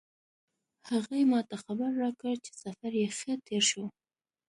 هغې ما ته خبر راکړ چې سفر یې ښه تیر شو